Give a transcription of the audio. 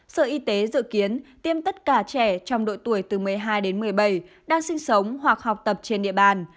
sở y tế dự kiến tiêm tất cả trẻ trong độ tuổi từ một mươi hai đến một mươi bảy đang sinh sống hoặc học tập trên địa bàn